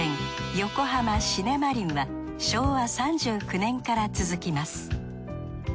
横浜シネマリンは昭和３９年から続きます。